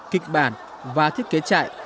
kích bàn và thiết kế chạy